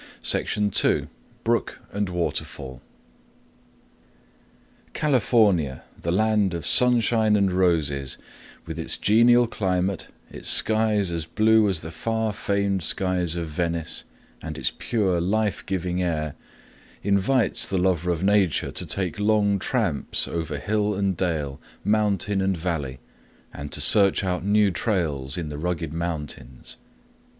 Brook and Waterfall California, the land of sunshine and roses, with its genial climate, its skies as blue as the far famed skies of Venice, and its pure life giving air, invites the lover of nature to take long tramps over hill and dale, mountain and valley, and to search out new trails in the rugged mountains.